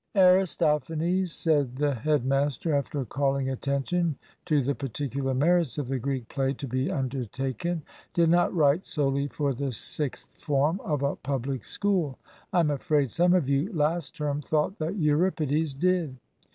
"Aristophanes," said the head master, after calling attention to the particular merits of the Greek play to be undertaken, "did not write solely for the Sixth form of a public school. I am afraid some of you, last term, thought that Euripides did.